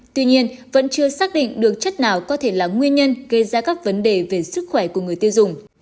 tuy nhiên vẫn chưa xác định được chất nào có thể là nguyên nhân gây ra các vấn đề về sức khỏe của người tiêu dùng